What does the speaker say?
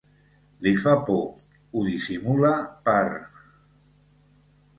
Li fa por, ho dissimula, per